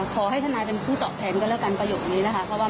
ขอให้ทนายเป็นผู้ตอบแทนก็แล้วกันประโยคนี้นะคะ